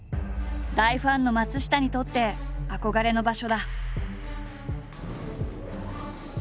大ファンの松下にとって憧れの場所だ。